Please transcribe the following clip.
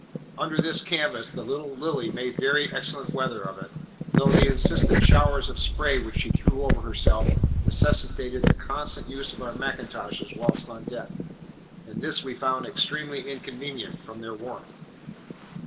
Under this canvas the little Lily made very excellent weather of it, though the incessant showers of spray which she threw over herself necessitated the constant use of our macintoshes whilst on deck, and this we found extremely inconvenient, from their warmth.